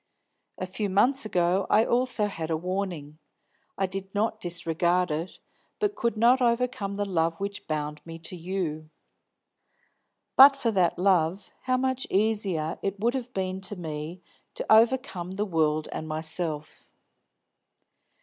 A few months ago I had also a warning. I did not disregard it, but I could not overcome the love which bound me to you. But for that love, how much easier it would have been to me to overcome the world and myself.